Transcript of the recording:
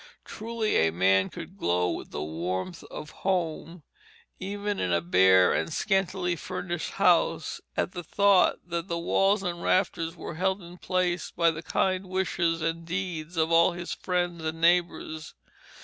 Truly a man could glow with the warmth of home even in a bare and scantily furnished house, at the thought that the walls and rafters were held in place by the kind wishes and deeds of all his friends and neighbors.